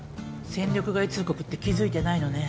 戦力外通告って気づいてないのね。